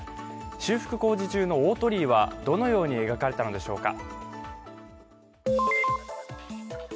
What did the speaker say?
修復工事中の大鳥居はどのように描かれたのでしょうか。